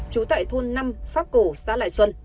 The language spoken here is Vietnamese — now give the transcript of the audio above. trú tại thôn năm pháp cổ xã lại xuân